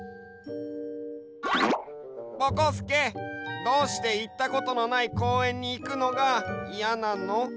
ぼこすけどうしていったことのないこうえんにいくのがいやなの？